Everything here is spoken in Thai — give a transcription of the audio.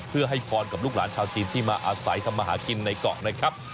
เพื่อให้พรกับลูกหลานชาวจีนที่มาอาศัยทำมาหากินในเกาะนะครับ